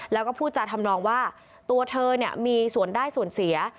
แล้วก็พูดจาทำนองว่าตัวเธอมีส่วนได้ส่วนเสีย